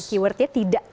key wordnya tidak